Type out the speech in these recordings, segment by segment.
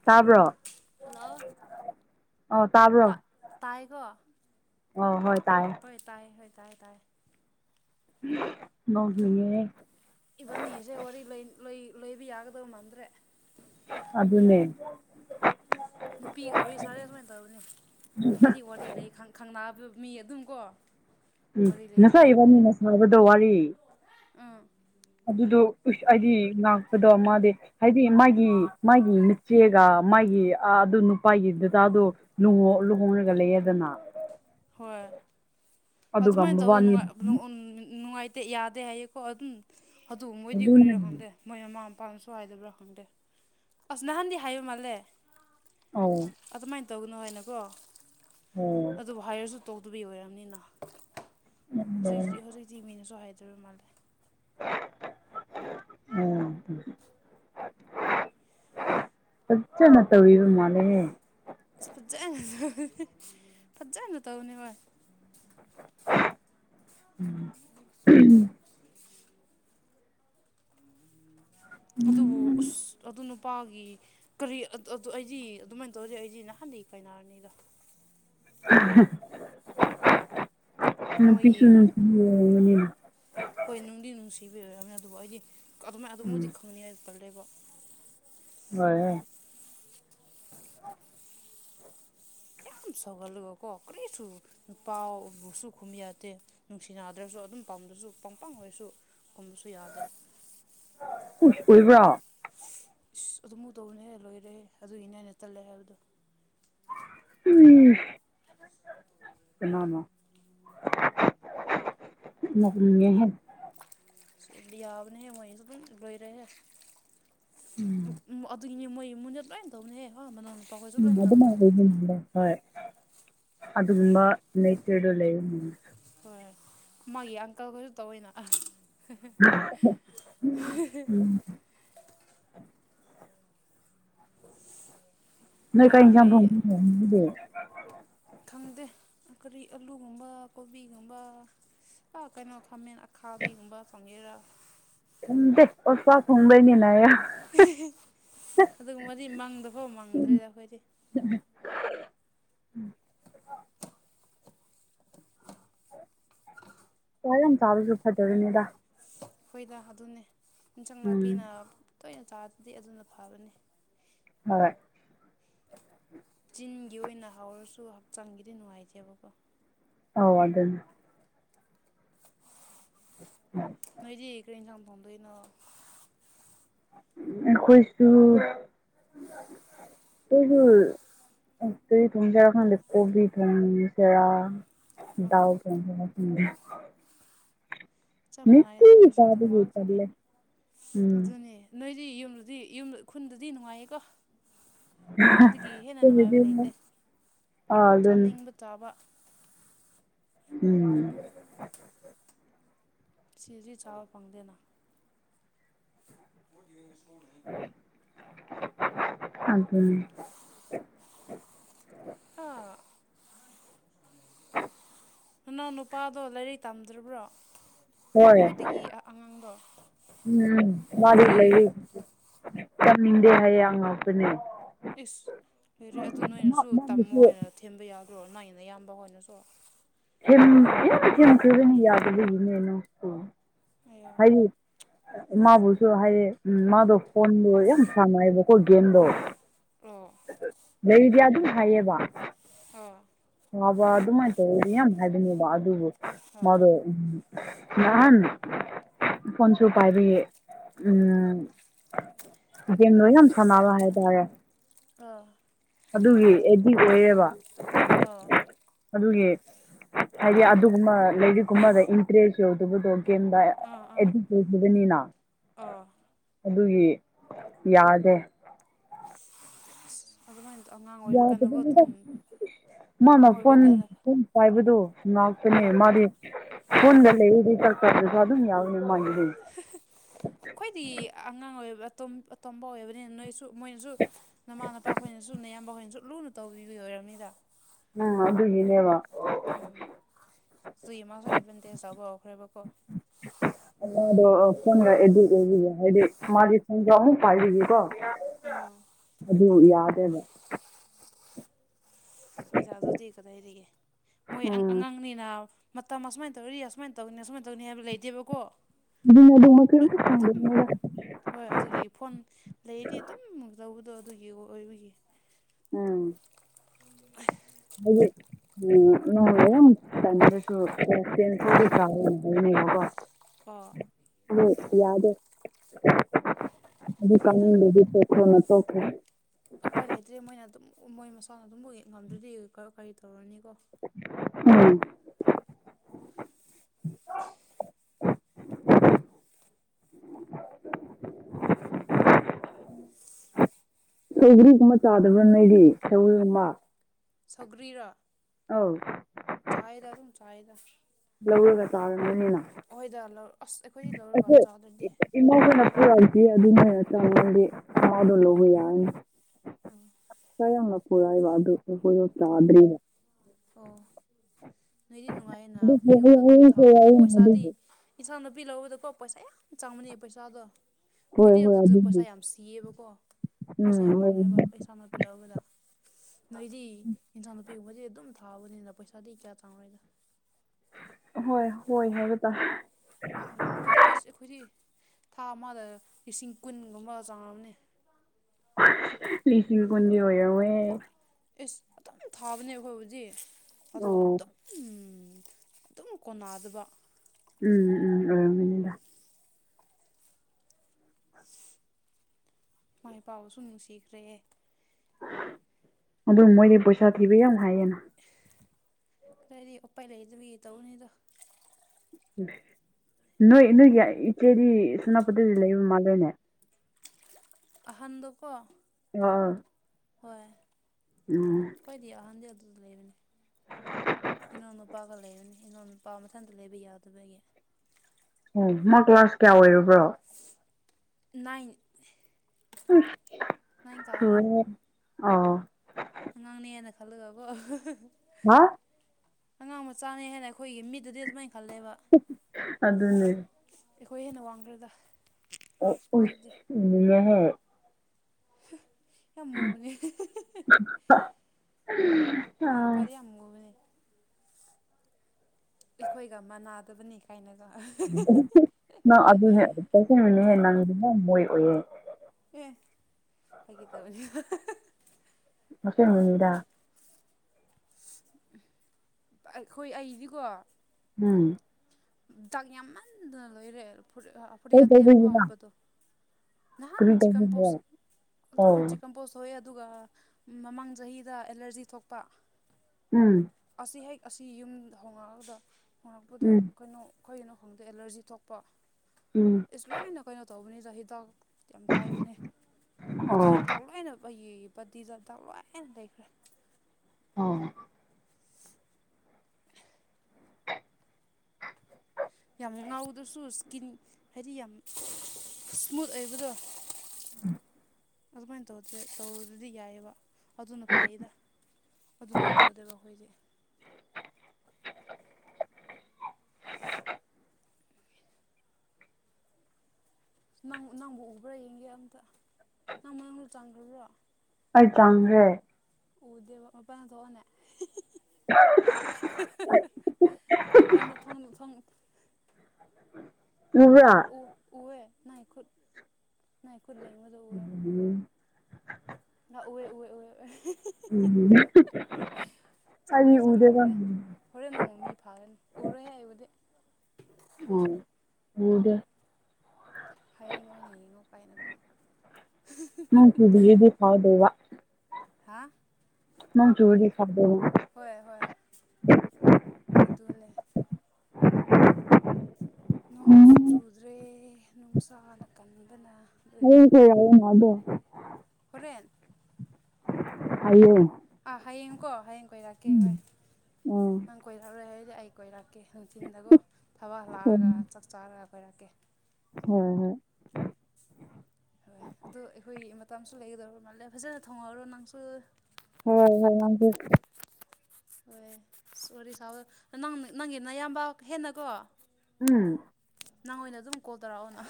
[unintelligible] ꯇꯥꯕ꯭ꯔꯣ ꯍꯜꯂꯣ ꯑꯧ ꯇ-ꯇꯥꯏꯌꯦꯀꯣ ꯑꯣ ꯍꯣꯏ ꯇꯥꯏꯌꯦ ꯍꯣꯏ ꯇꯥꯏꯌꯦ ꯍꯣꯏ ꯇꯥꯌꯦ ꯇꯥꯌꯦ [unintelligible] ꯅꯣꯡ ꯆꯨꯏꯌꯦ ꯏꯕꯥꯟꯅꯤꯒꯤꯁꯦ ꯋꯥꯔꯤ ꯂꯩ ꯂꯣꯏ ꯂꯣꯏꯕ ꯌꯥꯒꯗꯧ ꯃꯥꯟꯗ꯭ꯔꯦ ꯑꯗꯨꯅꯦ ꯅꯨꯄꯤꯒ ꯋꯥꯔꯤ ꯁꯥꯔꯗꯤ ꯁꯨꯃꯥꯏꯅ ꯇꯧꯕꯅꯦ ꯍꯖꯤꯛ ꯋꯥꯔꯤ ꯂꯩ ꯈꯪ-ꯈꯪꯅꯥꯕ ꯃꯤ ꯑꯗꯨꯝ ꯀꯣ ꯎꯝ ꯋꯥꯔꯤ ꯅꯁꯥꯏ ꯏꯕꯥꯅꯤꯅ ꯁꯥꯕꯗꯣ ꯋꯥꯔꯤ [unintelligible] ꯑꯪ ꯑꯗꯨꯗꯣ ꯎꯁ ꯑꯩꯗꯤ ꯉꯥꯛꯄꯗꯣ ꯃꯥꯗꯤ ꯍꯥꯏꯗꯤ ꯃꯥꯒꯤ ꯃꯥꯒꯤ ꯃꯆꯦꯒ ꯃꯥꯒꯤ ꯑꯑꯗꯨ ꯅꯨꯄꯥꯒꯤ ꯗꯗꯥꯗꯣ ꯂꯨꯍꯣ ꯂꯨꯍꯣꯡꯉꯒ ꯂꯩꯌꯦꯗꯅ ꯍꯣꯏ ꯑꯗꯨꯒ ꯑꯗꯨꯃꯥꯏꯟ ꯇꯧꯕꯗꯣ ꯃꯕꯥꯅꯤ ꯅꯨꯉꯥ ꯏ [unintelligible] ꯎꯝ ꯅꯨꯡꯉꯥꯏ ꯇꯦ ꯌꯥꯗꯦ ꯍꯥꯏꯌꯦꯀꯣ ꯑꯗꯨꯝ ꯑꯗꯨ ꯃꯣꯏꯗꯤ ꯑꯗꯨꯅꯦ ꯀ꯭ꯔꯤꯔ ꯈꯪꯗꯦ ꯃꯣꯏ ꯃꯃꯥ ꯃꯄꯥꯅꯁꯨ ꯍꯥꯏꯗꯕ꯭ꯔꯥ ꯈꯪꯗꯦ ꯑꯁ ꯅꯍꯥꯟꯗꯤ ꯍꯥꯏꯕ ꯃꯥꯜꯂꯦ ꯑꯧ [unintelligible] ꯑꯗꯨꯃꯥꯏꯟ ꯇꯧꯒꯅꯨ ꯍꯥꯏꯅꯀꯣ [unintelligible] ꯀꯩꯁꯨ ꯇꯧꯗꯕꯩ ꯑꯣꯏꯔꯝꯅꯤꯅ ꯍꯨꯖꯤꯛ ꯍꯨꯖꯤꯛꯇꯤ ꯃꯤꯅꯁꯨ ꯍꯥꯏꯗ꯭ꯔꯕ ꯃꯥꯜꯂꯦ [unintelligible] ꯎꯝ [unintelligible] [unintelligible] ꯐꯖꯅ ꯇꯧꯔꯤꯕ ꯃꯥꯜꯂꯦꯍꯦ ꯏꯁ ꯐꯠꯖꯅ [unintelligible] ꯐꯠꯖꯅ ꯇꯧꯕꯅꯦ ꯍꯣꯏ [unintelligible] ꯑꯗꯨꯕꯨ ꯎꯁ ꯑꯗꯨ ꯅꯨꯄꯥꯒꯤ ꯀꯔꯤ ꯑ-ꯑꯗꯨ ꯑꯩꯗꯤ ꯑꯗꯨꯃꯥꯏꯅ ꯇꯧꯔꯗꯤ ꯑꯩꯗꯤ ꯅꯍꯥꯟꯗ ꯏꯀꯥꯏꯅꯔꯅꯤꯗ [unintelligible] ꯅꯨꯄꯤꯁꯨ ꯃꯣꯏꯒꯤ ꯅꯨꯄꯤ ꯑꯣꯏꯕꯒꯤ ꯍꯣꯏ ꯅꯨꯡꯗꯤ ꯅꯨꯡꯁꯤꯕꯩ ꯑꯣꯏꯔꯝꯅꯤ ꯑꯗꯨꯕꯨ ꯑꯩꯗꯤ ꯀꯗꯨꯃꯥꯏ ꯑꯗꯨꯃꯨꯗꯤ ꯎꯝ ꯈꯪꯅꯤ ꯑꯩ ꯇꯜꯂꯦꯕ [unintelligible] ꯌꯥꯝ ꯁꯧꯒꯠꯂꯒꯀꯣ ꯀꯔꯤꯁꯨ ꯅꯨꯄꯥ ꯎꯕꯨꯁꯨ ꯈꯨꯝ ꯌꯥꯗꯦ ꯅꯨꯡꯁꯤꯅꯗ꯭ꯔꯁꯨ ꯑꯗꯨꯝ ꯄꯥꯝꯗ꯭ꯔꯁꯨ ꯄꯪꯄꯪ ꯑꯣꯏꯔꯁꯨ ꯈꯨꯝꯕꯁꯨ ꯌꯥꯗꯦ [unintelligible] ꯎꯏꯕ꯭ꯔꯣ ꯏꯁ ꯑꯗꯨꯝꯃꯨꯛ ꯇꯧꯕꯅꯦ ꯍꯥꯏ ꯂꯣꯏꯔꯦ ꯑꯗꯨꯒꯤꯅꯦꯅ ꯑꯩꯅ ꯇꯜꯂꯦ ꯍꯥꯏꯕꯗꯣ [unintelligible] ꯀꯅꯥꯅꯣ [unintelligible] [unintelligible] ꯌꯥꯕꯅꯦꯍꯦ ꯃꯣꯏꯒꯤꯁꯨ ꯗꯨꯝ ꯂꯣꯏꯔꯦꯍꯦ [unintelligible] ꯑꯗꯨꯏ ꯏꯅꯦ ꯃꯣꯏ ꯏꯃꯨꯡꯗ ꯂꯣꯏ ꯇꯧꯕꯅꯦꯍꯦ ꯍꯣꯏ ꯃꯅꯥꯎ ꯅꯨꯄꯥ ꯍꯣꯢꯁꯨ ꯂꯣꯏ ꯎꯝ ꯇꯧꯕꯅꯤ [unintelligible] ꯍꯣꯏ ꯑꯗꯨꯒꯨꯝꯕ ꯅꯦꯆꯔꯗꯣ ꯂꯩꯕꯅꯦ ꯍꯣꯏ ꯃꯥꯒꯤ ꯑꯪꯀꯜ ꯈꯣꯏꯁꯨ ꯇꯧꯋꯤꯅ ꯑꯁ [unintelligible] ꯎꯝ ꯅꯣꯏ ꯀꯩ ꯃꯔꯝ ꯍꯦꯟꯁꯥꯡ ꯂꯩ ꯊꯣꯡꯕꯤꯒꯦ ꯉꯁꯤꯗꯤ ꯈꯪꯗꯦ ꯀꯔꯤ ꯑꯂꯨꯒꯨꯝꯕ ꯀꯣꯕꯤꯒꯨꯝꯕ ꯑꯥ ꯀꯩꯅꯣ ꯈꯥꯃꯦꯟ ꯑ ꯈꯥꯕꯤꯒꯨꯝꯕ ꯐꯪꯉꯦꯔꯥ ꯈꯟꯗꯦ ꯑꯣꯁꯥ ꯊꯣꯡꯗꯣꯏꯅꯤꯅꯌꯣ ꯑꯗꯨꯒꯨꯝ ꯃꯗꯤ ꯃꯪꯗꯐꯧ ꯃꯪꯗ꯭ꯔꯦꯗ ꯑꯈꯣꯏꯗꯤ ꯁꯥ ꯌꯥꯝ ꯆꯥꯕꯁꯨ ꯐꯠꯇꯕꯅꯤꯗ ꯍꯣꯏꯗꯥ ꯑꯗꯨꯅꯦ ꯏꯟꯁꯥꯡ ꯎꯝ ꯅꯥꯄꯤꯅ ꯇꯣꯏꯅ ꯆꯥꯔꯗꯤ ꯑꯗꯨꯅ ꯐꯕꯅꯦ ꯍꯣꯏ ꯆꯤꯟꯒꯤ ꯑꯣꯏꯅ ꯍꯥꯎꯔꯁꯨ ꯍꯛꯆꯥꯡꯒꯤꯗꯤ ꯅꯨꯡꯉꯥꯏꯇꯦꯕꯀꯣ ꯑꯧ ꯑꯗꯨꯅꯤ [unintelligible] ꯅꯣꯏꯗꯤ ꯀꯔꯤ ꯏꯟꯁꯥꯡ ꯊꯣꯡꯗꯣꯏꯅꯣ ꯑꯩꯈꯣꯏꯁꯨ ꯏꯍꯨꯜ ꯑꯦ ꯀꯔꯤ ꯊꯣꯡꯁꯤꯔꯥ ꯈꯪꯗꯦ ꯀꯣꯕꯤ ꯊꯣꯡꯁꯤꯔ ꯑꯣ ꯗꯥꯎ ꯌꯦꯡꯁꯤꯔ ꯈꯪꯗꯦ ꯆꯞ ꯃꯥꯟꯅꯩꯗ ꯅꯤꯇꯤꯒꯤ ꯑꯩꯈꯣꯏꯁꯨ ꯑꯗꯨꯝꯕ ꯆꯥꯕꯒꯤ ꯉꯥꯛꯇꯅꯤ ꯇꯜꯂꯦ ꯎꯝ ꯑꯗꯨꯅꯦ ꯅꯣꯏꯗꯤ ꯌꯨꯝꯗꯗꯤ ꯌꯨꯝ ꯈꯨꯟꯗꯗꯤ ꯅꯨꯡꯉꯥꯏꯌꯦꯀꯣ ꯈꯨꯟꯗꯒꯤ ꯍꯦꯟꯅ ꯅꯨꯡꯉꯥꯏꯕ ꯂꯩꯇꯦ ꯑꯗꯨꯅꯤ ꯆꯥꯅꯤꯡꯕ ꯆꯥꯕ ꯎꯝ ꯁꯤꯔꯗꯤ ꯆꯥꯕ ꯐꯪꯗꯦꯅ ꯃꯣꯏꯒꯤ ꯁꯣꯡꯅꯦꯍꯦ ꯑꯗꯨꯅꯦ ꯑꯥ ꯅꯅꯥꯎ ꯅꯨꯄꯥꯗꯣ ꯂꯥꯏꯔꯤꯛ ꯇꯝꯗ꯭ꯔꯕ꯭ꯔꯣ ꯍꯣꯏ ꯑꯩꯈꯣꯏꯗꯒꯤ ꯑ ꯑꯉꯥꯡꯗꯣ ꯎꯝ ꯃꯥꯗꯤ ꯀ꯭ꯔꯤꯒꯤꯔ ꯂꯥꯏꯔꯤꯛ ꯇꯝꯅꯤꯡꯗꯦ ꯍꯥꯏꯌꯦ ꯑꯉꯥꯛꯄꯅꯦ ꯏꯁ ꯍꯩꯔꯦ ꯑꯗꯨ ꯅꯣꯏꯅꯁꯨ ꯇꯝꯃꯣ ꯃꯥꯒꯤꯁꯨ ꯍꯥꯏꯅ ꯊꯦꯝꯕ ꯌꯥꯗ꯭ꯔꯣ ꯅꯣꯏ ꯅꯌꯥꯝꯕ ꯍꯣꯏꯅꯁꯨ ꯊꯦꯝ ꯊꯦꯝꯅ ꯊꯦꯝꯈꯔꯕꯅꯤ ꯌꯥꯗꯕꯒꯤꯅꯦ ꯅꯪꯁꯨ ꯑꯌꯥ ꯍꯥꯏꯗꯤ [unintelligible] ꯃꯥꯕꯨꯁꯨ ꯍꯥꯏꯗꯤ ꯎꯝ ꯃꯥꯗꯣ ꯐꯣꯟꯗꯣ ꯌꯥꯝ ꯁꯥꯟꯅꯩꯕꯀꯣ ꯒꯦꯝꯗꯣ ꯑꯣ ꯂꯩꯗꯤ ꯑꯗꯨꯝ ꯍꯥꯏꯌꯦꯕ ꯑꯥ ꯑꯉꯥꯎꯕ ꯑꯗꯨꯃꯥꯏꯅ ꯇꯧꯋꯣꯗꯤ ꯌꯥꯝ ꯍꯥꯏꯕꯅꯦꯕ ꯑꯗꯨꯕꯨ ꯑꯥ ꯃꯥꯗꯣ ꯎꯝ ꯅꯍꯥꯟ ꯐꯣꯟꯁꯨ ꯄꯥꯏꯕꯒꯤ ꯎꯝ ꯒꯦꯝ ꯂꯣ ꯌꯥꯥꯝ ꯁꯥꯟꯅꯕ ꯍꯥꯏꯇꯥꯔꯦ ꯑꯥ ꯑꯗꯨꯒꯤ ꯑꯦꯗꯤꯛ ꯑꯣꯏꯌꯦꯕ ꯑꯥ ꯑꯗꯨꯒꯤ ꯍꯥꯏꯗꯤ ꯑꯗꯨꯒꯨꯝꯕ ꯂꯥꯏꯔꯤꯛꯒꯨꯝꯕꯗ ꯏꯟꯇꯤꯔꯦꯁ ꯌꯧꯗꯕꯗꯣ ꯒꯦꯝꯗ ꯑꯥ ꯑꯥ ꯑꯦꯗꯤꯛ ꯑꯣꯏꯈꯤꯕꯅꯤꯅ ꯑꯥ ꯑꯗꯨꯒꯤ ꯌꯥꯗꯦ ꯑꯗꯨꯃꯥꯏꯟ ꯑꯉꯥꯡ ꯑꯣꯏꯕ ꯀꯥꯟꯗꯀꯣ ꯌꯥꯗꯕꯅꯦꯗꯥ ꯑꯗꯨꯝ ꯃꯥꯅ ꯑꯉꯥꯡ ꯑꯣꯏꯕ ꯐꯣꯟ ꯀꯥꯟꯗ ꯄꯥꯏꯕꯗꯣ ꯉꯥꯛꯇꯅꯦ ꯑꯥ ꯃꯥꯗꯤ ꯐꯣꯟꯕꯨ ꯂꯩꯔꯗꯤ ꯆꯥꯛ ꯆꯥꯗ꯭ꯔꯁꯨ ꯑꯗꯨꯝ ꯌꯥꯕꯅꯦ ꯃꯥꯒꯤꯗꯤ ꯈ꯭ꯋꯥꯏꯗꯒꯤ ꯑꯉꯥꯡ ꯑꯣꯏꯕ ꯑꯇꯣꯝ ꯑꯇꯣꯝꯕ ꯑꯣꯏꯕꯅꯤꯅ ꯅꯣꯏꯁꯨ ꯃꯣꯏꯅꯖꯨ ꯅꯃꯥ ꯅꯄꯥꯈꯣꯏꯅꯁꯨ ꯅꯌꯥꯝꯕ ꯈꯣꯏꯅꯁꯨ ꯂꯨꯅ ꯇꯧꯕꯤꯕꯩ ꯑꯣꯏꯔꯝꯅꯤꯗ ꯃꯥ ꯑꯗꯨꯒꯤꯅꯦꯕ ꯎꯝ ꯆꯨꯏ ꯃꯥꯁꯨ ꯑꯦꯗꯚꯟꯇꯦꯖ ꯇꯧꯕ ꯍꯧꯈ꯭ꯔꯦꯕꯀꯣ [inaudible] ꯑꯗꯨꯗꯣ ꯐꯣꯟꯗ ꯑꯦꯗꯤꯛ ꯑꯣꯏꯈꯤꯕꯒꯤ ꯍꯥꯏꯗꯤ ꯃꯥꯗꯤ ꯐꯣꯟꯗ ꯑꯗꯨ ꯄꯥꯏꯒꯤꯕꯒꯤꯀꯣ ꯑꯗꯨ ꯌꯥꯗꯦꯕ ꯄꯩꯁꯥꯗꯨꯗꯤ ꯀꯗꯥꯏꯗꯒꯤ ꯃꯣꯏ ꯎꯝ ꯑꯉꯥꯡꯅꯤꯅ ꯃꯇꯝ ꯑꯁꯨꯃꯥꯏꯅ ꯇꯧꯔꯗꯤ ꯑꯁꯨꯃꯥꯏꯅ ꯇꯧꯒꯅꯤ ꯑꯁꯨꯃꯥꯏꯅ ꯇꯧꯒꯅꯤ ꯍꯥꯏꯕ ꯂꯩꯇꯦꯕꯀꯣ [unintelligible] ꯍꯣꯏ ꯑꯗꯨꯒꯤ ꯐꯣꯟ ꯂꯩꯔꯗꯤ ꯑꯗꯨꯝ ꯇꯧꯕꯗꯣ ꯑꯗꯨꯒꯤ ꯑꯣꯏꯕꯒꯤ ꯎꯝ [unintelligible] [unintelligible] [unintelligible] ꯑꯣ ꯑꯗꯨ ꯌꯥꯗꯦ ꯍꯨꯏꯗ ꯑꯗꯨ [unintelligible] ꯎꯄꯥꯏ ꯂꯩꯇ꯭ꯔꯦ ꯃꯣꯏꯅ ꯑꯗꯨꯝ ꯃꯣꯏ ꯃꯁꯥꯅ ꯑꯗꯨꯝ ꯃꯣꯏ ꯉꯝꯗ꯭ꯔꯗꯤ ꯀ ꯀꯔꯤ ꯇꯧꯔꯨꯅꯤꯀꯣ ꯎꯝ ꯁꯧꯒ꯭ꯔꯤꯒꯨꯝꯕ ꯆꯥꯗꯕ꯭ꯔꯥ ꯅꯣꯏꯗꯤ ꯁꯧꯒ꯭ꯔꯤꯒꯨꯝꯕ ꯁꯧꯒ꯭ꯔꯤꯔꯥ ꯑꯧ ꯆꯥꯏꯌꯦꯗ ꯑꯗꯨꯝ ꯆꯥꯏꯌꯦꯗ ꯂꯧꯔꯒ ꯆꯥꯔꯝꯒꯅꯤꯅ ꯍꯣꯏꯗ ꯂꯧ ꯑꯁ ꯑꯩꯈꯣꯏꯗꯤ ꯂꯧꯔꯒ ꯆꯥꯗ꯭ꯔꯥꯗꯤ ꯏꯃꯥꯗ ꯅꯠꯇꯦ [unintelligible] ꯃꯥꯗ ꯂꯧꯕ ꯌꯥꯏ ꯎꯝ [unintelligible] ꯄꯨꯔꯛꯏꯕ ꯑꯗꯨ ꯑꯩꯈꯣꯏꯗꯣ ꯑꯣ ꯆꯥꯗ꯭ꯔꯤꯕ ꯑꯣ ꯅꯣꯏꯗꯤ ꯅꯨꯡꯉꯥꯏꯌꯦꯅ ꯑꯗꯨꯕꯨ ꯌꯨꯝꯗ ꯍꯌꯦꯡ ꯑꯗꯨꯝ ꯍꯌꯦꯡ ꯊꯥꯕꯗꯣ ꯄꯨꯔꯛꯑꯣꯅ ꯄꯩꯁꯥꯗꯤ ꯑꯗꯨꯕꯨ ꯏꯟꯁꯥꯡ ꯅꯨꯄꯤ ꯂꯧꯕꯗꯀꯣ ꯄꯩꯁꯥ ꯌꯥꯝ ꯆꯪꯕꯅꯦ ꯄꯩꯁꯥꯗꯣ ꯍꯣꯏ ꯈꯣꯏꯗꯤ ꯍꯣꯏ ꯑꯗꯨꯗ ꯑꯗꯨꯕꯨ ꯄꯩꯁꯥ ꯌꯥꯝ ꯁꯤꯌꯦꯕꯀꯣ ꯄꯩꯁꯥ ꯎꯝ ꯌꯥꯝ ꯍꯣꯏ ꯃꯥꯡꯉꯦꯕ ꯄꯩꯁꯥꯅ ꯂꯧꯔꯒ ꯅꯣꯏꯗꯤ ꯏꯟꯁꯥꯡ ꯅꯨꯄꯤꯒꯨꯝꯕꯗꯤ ꯑꯗꯨꯝ ꯊꯥꯕꯅꯤꯅ ꯄꯩꯁꯥꯗꯤ ꯀꯌꯥ ꯆꯪꯔꯣꯏꯗ ꯍꯣꯏ ꯍꯣꯏ ꯍꯥꯏꯕ ꯇꯥꯔꯦ ꯎꯝ ꯑꯩꯈꯣꯏꯗꯤ ꯑꯩꯁ ꯑꯩꯈꯣꯏꯗꯤ ꯊꯥ ꯑꯃꯗ ꯂꯤꯁꯤꯡ ꯀꯨꯟꯒꯨꯝꯕ ꯆꯪꯉꯝꯅꯤ ꯂꯤꯁꯤꯡ ꯀꯨꯟꯗꯤ ꯑꯣꯏꯔꯣꯏꯋꯦ ꯏꯁ ꯑꯗꯨꯝ ꯊꯥꯕꯅꯦ ꯑꯩꯈꯣꯏꯕꯨꯗꯤ ꯑꯗꯨꯒ ꯎꯝ ꯑꯗꯨꯝ ꯑꯗꯨꯝ ꯑꯗꯨꯝ ꯀꯣꯟꯅꯗꯕ ꯎꯝ ꯎꯝ ꯍꯣꯏ ꯑꯣꯏꯔꯝꯃꯅꯤꯗ ꯃꯥꯏ ꯄꯥꯕꯨꯁꯨ ꯅꯨꯡꯁꯤꯈ꯭ꯔꯦ ꯑꯗꯨ ꯃꯣꯏꯗꯤ ꯄꯩꯁꯥ ꯊꯤꯕ ꯌꯥꯝ ꯍꯩꯌꯦꯅ ꯅꯣꯏꯗꯤ ꯎꯄꯥꯏ ꯂꯩꯗꯕꯒꯤ ꯇꯧꯕꯅꯤꯗꯣ [inaudible] ꯅꯣꯏ ꯅꯣꯏꯒꯤ ꯏꯆꯦꯗꯤ ꯁꯦꯅꯥꯄꯇꯤꯗ ꯂꯩꯕ ꯃꯥꯂꯦꯅꯦ ꯑꯍꯥꯟꯗꯣꯀꯣ [unintelligible] ꯍꯣꯏ ꯎꯝ ꯈ꯭ꯋꯥꯏꯗꯩ ꯑꯍꯟꯗꯤ ꯗꯨꯖꯨ ꯂꯩꯕꯅꯤ ꯏꯅꯥꯎ ꯅꯨꯄꯥꯒ ꯂꯩꯔꯅꯤ ꯏꯅꯥꯎ ꯅꯨꯄꯥ ꯃꯊꯟꯇꯥ ꯂꯩꯕ ꯌꯥꯗꯕꯒꯤ ꯍꯝ ꯃꯥ ꯀ꯭ꯂꯥꯁ ꯀꯌꯥ ꯑꯣꯏꯔꯕ꯭ꯔꯥ ꯅꯥꯏꯟ [inaudible] ꯑꯁ ꯅꯥꯏꯟ ꯀꯥꯔꯦ ꯊꯨꯋꯦꯍꯦ ꯑꯧ ꯑꯉꯥꯡꯅꯦꯅ ꯈꯜꯂꯒꯀꯣ ꯃꯥ ꯑꯉꯥꯡ ꯃꯆꯥꯅꯦ ꯍꯥꯏꯅ ꯑꯈꯣꯏꯒꯤ ꯃꯤꯠꯗꯗꯤ ꯑꯗꯨꯃꯥꯏꯟ ꯈꯜꯂꯦꯕ [inaudible] ꯑꯗꯨꯅꯦ ꯑꯩꯈꯣꯏ ꯍꯦꯟꯅ ꯋꯥꯡꯒ꯭ꯔꯦꯗ ꯑꯣ ꯎꯁ [unintelligible] ꯈꯔ ꯃꯨꯕꯅꯦ ꯇꯥ [inaudible] ꯏꯅꯥꯎꯅꯨꯄꯥꯗꯤ ꯌꯥꯝ ꯃꯨꯕꯅꯦ ꯑꯩꯈꯣꯏꯒ ꯃꯥꯅꯗꯕꯅꯦ ꯀꯩꯅꯣꯗꯣ [unintelligible] [inaudible] ꯅꯪ ꯑꯗꯨꯅꯦ ꯇꯩꯁꯦꯡꯅꯅꯦꯍꯦ ꯑꯦ ꯅꯪꯗꯤꯅꯦ ꯃꯣꯏ ꯑꯣꯏꯌꯦ ꯑꯦ ꯑꯩꯒꯤ ꯇꯥ [unintelligible] ꯑꯁꯦꯡꯕꯅꯤꯗ ꯄ ꯈꯣꯏ ꯑꯩꯗꯤꯀꯣ ꯎꯝ ꯗꯥꯛ ꯌꯥꯝꯃꯟꯗꯅ ꯂꯣꯏꯔꯦ ꯐꯨꯔꯤ ꯐꯨꯔꯤꯠ ꯀꯔꯤ ꯑꯇꯦꯟꯕ ꯐꯥꯎ ꯇꯧꯕꯒꯤꯔ ꯍꯥꯞꯄꯗꯣ ꯅꯍꯥꯟ ꯀꯔꯤ ꯆꯤꯛꯀꯟ ꯇꯧꯕꯒꯤꯔ ꯄꯣꯛꯁ ꯑꯗꯨꯝ ꯑꯣ ꯆꯤꯛꯀꯟ ꯄꯣꯁ ꯍꯣꯏ ꯑꯗꯨꯒ ꯃꯃꯥꯡ ꯆꯍꯤꯗ ꯑꯦꯂꯔꯖꯤ ꯊꯣꯛꯄ ꯎꯝ ꯑꯁꯤ ꯍꯦꯛ ꯑꯁꯤ ꯌꯨꯝꯗ ꯍꯣꯉꯛꯒꯗ ꯍꯣꯡꯂꯛꯄꯗ ꯎꯝ ꯀꯩꯅꯣ ꯀꯩꯒꯤꯅꯣ ꯈꯪꯗꯦ ꯑꯦꯂꯔꯖꯤ ꯊꯣꯛꯄ ꯎꯝ ꯏꯁ ꯂꯣꯏꯅ ꯀꯩꯅꯣ ꯇꯧꯕꯅꯤꯗ ꯍꯤꯗꯥꯛ ꯌꯥꯝ ꯇꯩꯕꯅꯦ ꯑꯗꯨꯗ ꯑꯣ ꯍꯤꯗꯥꯛ ꯂꯣꯏꯅ [unintelligible] ꯄꯥꯇꯤꯗꯥ ꯗꯥꯛ ꯂꯣꯏꯅ ꯂꯩꯈ꯭ꯔꯦ ꯑꯣ [inaudible] ꯌꯥꯝ ꯉꯥꯎꯗ꯭ꯔꯥꯁꯨ ꯏꯁ꯭ꯀꯤꯟ ꯍꯥꯏꯗꯤ ꯌꯥꯝ ꯏꯁꯃꯨꯠ ꯑꯣꯏꯕꯗꯣ ꯎꯝ ꯑꯗꯨꯃꯥꯏ ꯇꯧꯗ꯭ꯔꯦ ꯇꯧꯗ꯭ꯔꯥꯗꯤ ꯌꯥꯏ ꯑꯕ ꯑꯗꯨꯅ ꯐꯩꯌꯦꯗ ꯑꯗꯨꯃꯥꯏꯟ ꯇꯧꯗꯦꯕ ꯑꯩꯈꯣꯏꯗꯤ ꯅꯪ ꯅꯪꯕꯨ ꯎꯕ꯭ꯔꯥ ꯌꯦꯡꯒꯦ ꯑꯝꯇꯥ ꯅꯪ ꯃꯅꯨꯡ ꯆꯪꯒ꯭ꯔꯥꯕꯣ ꯑꯩ ꯆꯪꯈ꯭ꯔꯦ ꯎꯗꯦꯕ ꯃꯄꯥꯟꯗ ꯊꯣꯛ ꯑꯣꯅꯦ ꯃꯄꯥꯟꯗ ꯊꯣꯡ ꯊꯣꯡ ꯂꯨꯕ꯭ꯔꯥ ꯎ ꯎꯋꯦ ꯅꯪ ꯈꯨꯠ ꯅꯪ ꯈꯨꯠ ꯂꯦꯡꯕꯗꯣ ꯎꯋꯦ ꯎꯝ [unintelligible] ꯎꯝ [unintelligible] ꯆꯪꯈ꯭ꯔꯣ ꯑꯩ ꯆꯪꯈ꯭ꯔꯣ ꯎꯗꯦꯕ ꯍꯣꯔꯦꯟ ꯍꯣꯔꯦꯟ ꯅꯪ ꯃꯤ ꯐꯥꯒꯅꯤ ꯎꯔꯣꯏ ꯍꯥꯏꯕꯗꯤ ꯎꯝ ꯃꯨꯗꯦ ꯍꯌꯦꯡ ꯑꯣꯏꯅ ꯌꯦꯡꯉꯣ ꯀꯥꯏꯅꯀꯣ ꯍꯥꯎꯗꯣꯏꯕ ꯍꯥꯥ ꯅꯣꯡ ꯆꯨꯔꯗꯤ ꯐꯗꯧꯅꯤ ꯍꯣꯏ ꯍꯣꯏ ꯑꯗꯨꯅꯦ ꯅꯣꯡꯁꯨ ꯎꯝ ꯆꯨꯗ꯭ꯔꯦ ꯅꯨꯡꯁꯥꯅ ꯀꯟꯕꯅ ꯂꯣꯏꯔꯦ [unintelligible] ꯍꯣꯔꯦꯟ ꯍꯌꯦꯡ ꯑꯥ ꯍꯌꯦꯡꯀꯣ ꯍꯌꯦꯡ ꯀꯣꯏꯔꯛꯀꯦ ꯎꯝ ꯍꯣꯏ ꯎꯝ ꯅꯪ ꯀꯣꯏꯔꯛꯔꯣꯏ ꯍꯥꯏꯔꯗꯤ ꯑꯩ ꯀꯣꯏꯔꯛꯀꯦ ꯅꯨꯡꯊꯤꯟꯗꯒꯣ ꯊꯕꯛ ꯍꯂꯛꯑꯒ ꯆꯥꯛ ꯆꯥꯔꯒ ꯀꯣꯏꯔꯛꯀꯦ ꯎꯝ ꯍꯣꯏ ꯑꯗꯣ ꯑꯩꯈꯣꯏꯒꯤ ꯃꯇꯝꯁꯨ ꯂꯣꯏꯒꯗꯧꯕ ꯃꯥꯜꯂꯦ ꯐꯖꯅ ꯊꯣꯡꯍꯧꯔꯣ ꯅꯪꯁꯨ ꯍꯣꯏ ꯍꯣꯏ ꯅꯪꯁꯨ ꯍꯣꯏ ꯁꯣꯔꯤ [unintelligible] ꯅꯪ ꯅꯪꯒꯤ ꯅꯌꯥꯝꯕ ꯍꯦꯟꯅꯀꯣ ꯎꯝ ꯅꯪ ꯑꯣꯏꯅ ꯑꯗꯨꯝ ꯀꯣꯜ ꯇꯧꯔꯛꯑꯨꯅ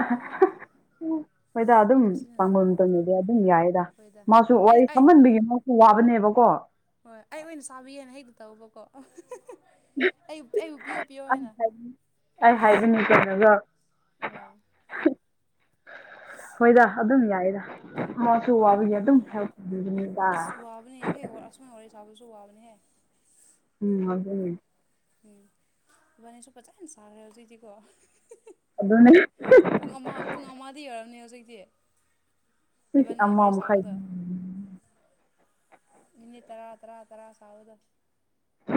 ꯑꯦ ꯍꯣꯏꯗ ꯑꯗꯨꯝ ꯑꯁꯤꯅ [unintelligible] ꯅꯨꯡꯉꯥꯏ ꯑꯗꯨꯝ ꯌꯥꯏꯗ ꯑꯩꯈꯣꯏꯗ ꯃꯥꯁꯨ ꯑꯩ ꯋꯥꯔꯤ ꯑꯩ ꯐꯃꯟꯕꯒꯤꯅꯤ ꯋꯥꯕꯅꯦꯕꯀꯣ ꯍꯣꯏ ꯑꯩ ꯑꯣꯏꯅ ꯆꯥꯕꯤꯒꯦꯅ [unintelligible] ꯇꯧꯕꯀꯣ ꯑꯩ ꯑꯩꯕꯨ ꯄꯤꯌꯣ ꯄꯤꯌꯣ ꯍꯥꯏꯅ [unintelligible] ꯑꯩ ꯍꯥꯏꯕꯅꯤ [unintelligible] ꯍꯣꯏꯗ ꯑꯗꯨꯝ ꯌꯥꯏꯗ ꯃꯥꯁꯨ ꯍꯣꯏ ꯋꯥꯕꯒꯤ ꯑꯗꯨꯝ [unintelligible] [unintelligible] ꯑꯁꯨꯨꯝꯅ ꯋꯥꯔꯤ ꯁꯥꯕꯁꯨ ꯋꯥꯕꯅꯤꯍꯦ ꯎꯝ ꯑꯗꯨꯅꯦ ꯎꯝ ꯈꯣꯢꯕꯥꯅꯤꯁꯨ ꯐꯖꯅ ꯁꯥꯔꯦ ꯍꯧꯖꯤꯛꯇꯤꯀꯣ ꯑꯗꯨꯅꯦ ꯄꯨꯡ ꯑꯃ ꯄꯨꯡ ꯑꯃꯗꯤ ꯌꯧꯔꯝꯅꯤ ꯍꯧꯖꯤꯛꯇꯤ ꯏꯁ ꯏꯕꯥꯅꯤꯅ ꯑꯃ ꯋꯥꯔꯤ ꯃꯈꯥꯏ ꯁꯥꯕꯗꯣ ꯃꯤꯅꯤꯠ ꯇꯔꯥ ꯇꯔꯥ ꯇꯔꯥ ꯁꯥꯕꯗꯣ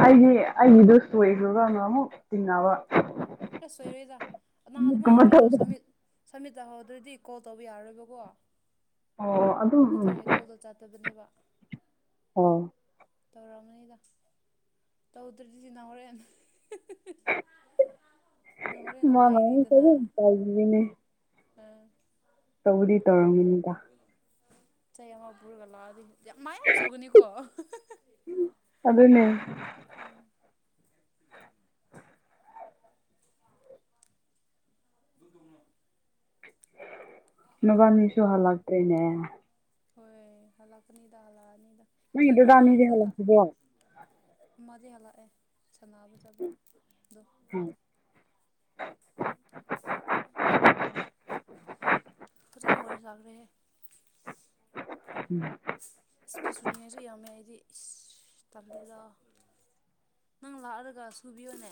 ꯑꯩꯗꯤ ꯑꯩꯒꯤꯗꯣ ꯁꯣꯏꯈ꯭ꯔꯕꯅ ꯑꯃꯨꯛ ꯆꯤꯡꯅꯕ ꯁꯣꯏꯔꯣꯏꯗ ꯀꯅꯥ ꯑꯗꯨꯃꯥꯢ ꯀꯨꯝꯕ ꯀꯅꯥ ꯇꯧꯕ ꯁꯃꯤꯠ ꯁꯃꯤꯠ ꯇꯧꯍꯧꯗ꯭ꯔꯗꯤ ꯀꯣꯜ ꯇꯧꯕ ꯌꯥꯔꯣꯏꯕꯀꯣ ꯑꯣ ꯑꯗꯨꯝ ꯎꯝ ꯃꯊꯪꯒꯤ ꯀꯣꯜꯗꯣ ꯆꯠ ꯇꯕꯅꯦꯕ ꯑꯣ ꯇꯧꯔꯝꯃꯅꯤꯗ ꯇꯧꯗ꯭ꯔꯗꯤ ꯅꯪ ꯍꯣꯔꯦꯟ ꯅꯪ ꯍꯣꯔꯦꯟ ꯃꯥꯅ ꯑꯃꯨꯛ ꯅꯨꯡꯉꯥꯏꯅꯤꯗꯅ ꯀꯔꯤꯝ ꯇꯧꯗ꯭ꯔꯤꯅꯦ ꯑꯥ ꯇꯧꯕꯗꯤ ꯇꯧꯔꯝꯒꯅꯤꯗ ꯆꯩ ꯑꯃ ꯄꯨꯔꯒ ꯂꯥꯛꯑꯗꯤ [unintelligible] ꯃꯥꯏꯌꯥ ꯁꯧꯒꯅꯤꯀꯣ ꯑꯗꯨꯅꯦ ꯎꯝ ꯑꯗꯨ ꯇꯧꯒꯅꯣ ꯅꯒꯥꯃꯤꯁꯨ ꯍꯜꯂꯛꯇꯔꯦꯅꯦ ꯍꯣꯏ ꯍꯜꯂꯛꯀꯅꯤꯗ ꯍꯜꯂꯛꯑꯅꯤꯗ ꯅꯣꯏꯒꯤ ꯀꯤꯕ꯭ꯔꯣ ꯗꯥꯗꯥꯃꯤꯗꯤ ꯍꯜꯂꯛꯇꯔꯤꯕꯣ ꯃꯗꯤ ꯍꯜꯂꯛꯑꯦ ꯁꯥꯟꯅꯕ ꯆꯠꯄ ꯗꯣ ꯎꯝ [inaudible] ꯐꯖꯅ ꯋꯥꯔꯤ ꯁꯥꯈꯔꯦꯍꯦ ꯎꯝ ꯐꯤ ꯁꯨꯨꯅꯤꯉꯥꯢꯁꯨ ꯌꯥꯝꯃꯦ ꯑꯩꯗꯤ ꯏꯁ ꯇꯜꯂꯦꯗ ꯅꯪ ꯂꯥꯛꯔꯒ ꯁꯨꯕꯤꯌꯣꯅꯦ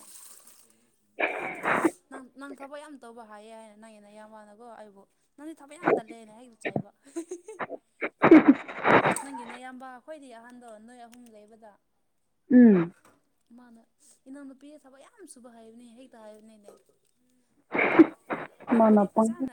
ꯅꯪ ꯅꯪ ꯊꯕꯛ ꯌꯥꯝ ꯇꯧꯕ꯭ꯔ ꯍꯥꯏꯌꯦ ꯍꯥꯏꯅ ꯅꯪꯒꯤ ꯅꯌꯥꯝꯕꯅꯀꯣ ꯑꯩꯕꯨ ꯅꯪꯗꯤ ꯊꯕꯛ ꯌꯥꯝ ꯇꯜꯂꯦꯅꯦ ꯍꯦꯛꯗ ꯆꯩꯕ [inaudible] ꯅꯪꯒꯤ ꯅꯌꯥꯝꯕ ꯈ꯭ꯋꯥꯏꯗꯩ ꯑꯍꯟꯗꯣ ꯅꯣꯏ ꯑꯍꯨꯝ ꯂꯩꯕꯗ ꯎꯝ ꯃꯥꯅ ꯏꯅꯥꯎ ꯅꯨꯨꯄꯤ ꯊꯕꯛ ꯌꯥꯝ ꯁꯨꯕ ꯍꯩꯕꯅꯦ ꯍꯦꯛꯇ ꯍꯥꯏꯕꯅꯤꯅꯦ ꯃꯥꯅ ꯅꯪꯕꯨꯗꯤ ꯄꯪ ꯐꯖꯅ